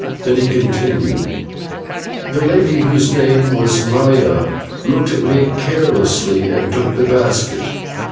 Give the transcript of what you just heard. Then he continued: "The lady, whose name was Maya, looked at me carelessly, and took the basket.